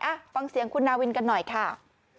อ่ะฟังเสียงคุณนาวินกันหน่อยค่ะ